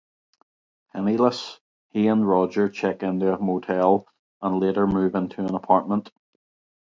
Penniless, he and Roger check into a motel, and later move into an apartment.